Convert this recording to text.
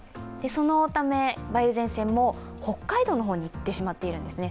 そのため、梅雨前線も北海道の方に行ってしまっているんですね。